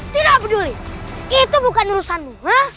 tidak peduli itu bukan urusanmu